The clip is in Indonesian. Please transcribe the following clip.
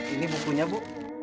ini bukunya bu